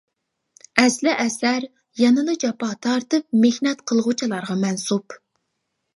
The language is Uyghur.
ئەسلى ئەسەر يەنىلا جاپا تارتىپ مېھنەت قىلغۇچىلارغا مەنسۇپ!